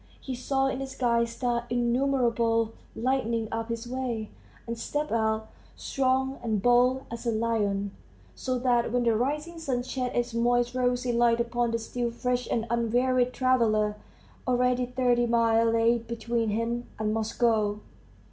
He saw in the sky stars innumerable, lighting up his way, and stepped out, strong and bold as a lion, so that when the rising sun shed its moist rosy light upon the still fresh and unwearied traveller, already thirty miles lay between him and Moscow.